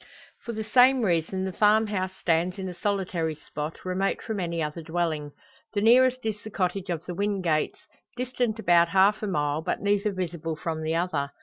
For the same reason the farm house stands in a solitary spot, remote from any other dwelling. The nearest is the cottage of the Wingates distant about half a mile, but neither visible from the other.